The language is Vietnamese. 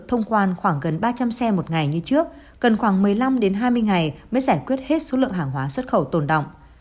thông quan khoảng gần ba trăm linh xe một ngày như trước cần khoảng một mươi năm hai mươi ngày mới giải quyết hết số lượng hàng hóa xuất khẩu tồn động